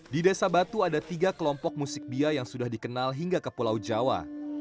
di desa batu ada tiga kelompok musik bia yang sudah dikenal hingga ke pulau jawa